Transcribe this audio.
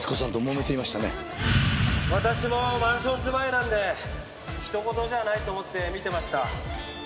私もマンション住まいなんでひとごとじゃないと思って見てました。